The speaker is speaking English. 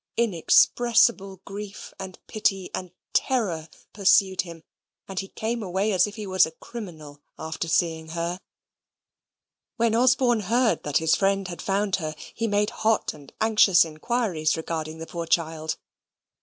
Inexpressible grief, and pity, and terror pursued him, and he came away as if he was a criminal after seeing her. When Osborne heard that his friend had found her, he made hot and anxious inquiries regarding the poor child.